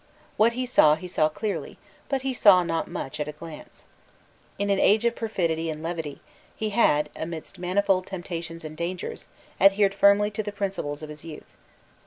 What he saw he saw clearly: but he saw not much at a glance. In an age of perfidy and levity, he had, amidst manifold temptations and dangers, adhered firmly to the principles of his youth.